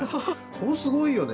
それすごいよね。